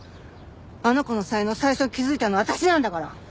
あの子の才能最初に気づいたのは私なんだから！